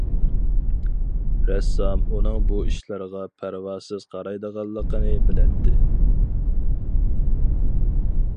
رەسسام ئۇنىڭ بۇ ئىشلارغا پەرۋاسىز قارايدىغانلىقىنى بىلەتتى.